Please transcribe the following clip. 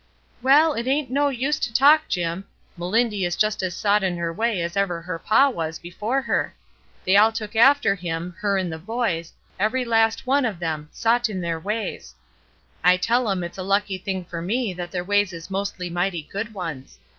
"Well, it ain't no use to talk, Jim. Melindy is just as sot in her way as ever her paw was before her. They all took after him, her and the boys, every last one of 'em; sot in their ways. I tell 'em it's a lucky thing for me that their ways is mostly mighty good ones.